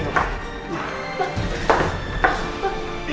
nanti ada perempuan